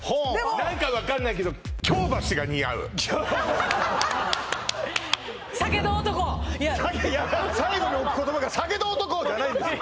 何か分かんないけどいや最後の言葉が「酒と男！」じゃないんですよ